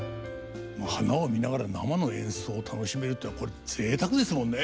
花を見ながら生の演奏を楽しめるっていうのはこれぜいたくですもんね。